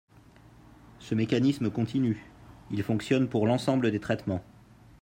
Ce mécanisme continue, il fonctionne pour l’ensemble des traitements.